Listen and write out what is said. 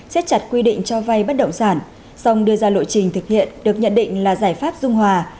xét chặt quy định cho vay bất động sản xong đưa ra lộ trình thực hiện được nhận định là giải pháp dung hòa